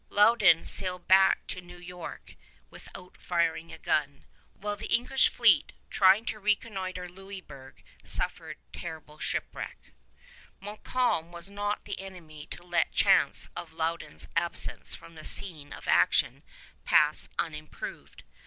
Loudon sailed back to New York without firing a gun, while the English fleet, trying to reconnoiter Louisburg, suffered terrible shipwreck. [Illustration: THE EARL OF LOUDON] Montcalm was not the enemy to let the chance of Loudon's absence from the scene of action pass unimproved.